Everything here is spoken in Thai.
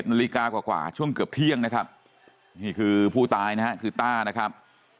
นาฬิกากว่าช่วงเกือบเที่ยงนะครับนี่คือผู้ตายนะฮะคือต้านะครับ